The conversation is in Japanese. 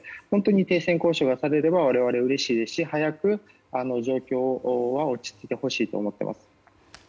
本当に停戦交渉がされれば我々はうれしいですし早く状況が落ち着いてほしいと思っています。